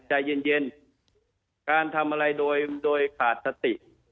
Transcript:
ใจเย็นการทำอะไรโดยขาดสติ